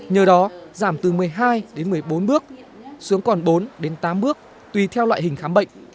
nhờ đó giảm từ một mươi hai đến một mươi bốn bước xuống còn bốn đến tám bước tùy theo loại hình khám bệnh